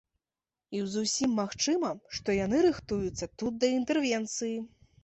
І зусім магчыма, што яны рыхтуюцца тут да інтэрвенцыі.